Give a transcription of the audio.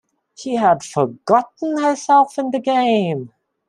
She had forgotten herself in the game.